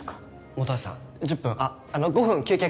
本橋さん１０分あっあの５分休憩